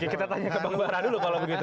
kita tanya ke bang bara dulu kalau begitu